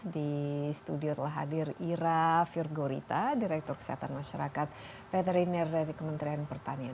di studio telah hadir ira firgorita direktur kesehatan masyarakat veteriner dari kementerian pertanian